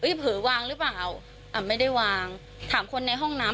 อีทเพลิงวางรึเปล่าอ่าไม่ได้วางถามคนในห้องน้ำ